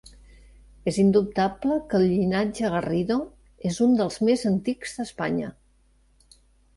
És indubtable que el llinatge Garrido és un dels més antics d'Espanya.